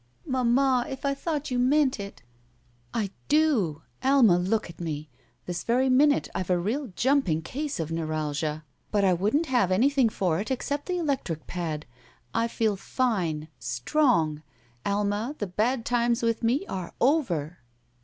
"Mamma, if I thought you meant it." "I do. Alma, look at me. This very minute IVe a real jumping case of neuralgia. But I wouldn't have anything for it except the electric pad. I feel fine. Strong. Alma, the bad times with me are over."